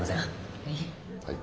はい。